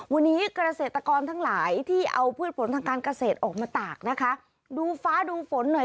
วันนี้เกษตรกรทั้งหลายที่เอาพืชผลทางการเกษตรออกมาตากนะคะดูฟ้าดูฝนหน่อย